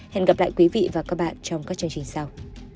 hẹn gặp lại quý vị và các bạn trong các chương trình sau